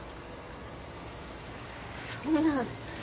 そんな。